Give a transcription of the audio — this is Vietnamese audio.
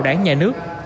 đảng nhà nước